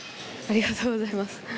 ありがとうございます。